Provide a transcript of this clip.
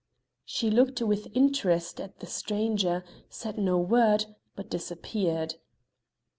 She looked with interest at the stranger, said no word, but disappeared.